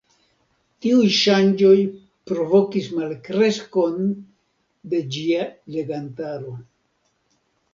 Tiuj ŝanĝoj provokis malkreskon de ĝia legantaro.